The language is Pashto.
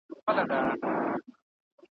د چا سل وه د چا زر كاله عمرونه `